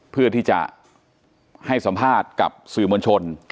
เพื่อที่จะให้สัมภาษณ์กับสื่อมวลชน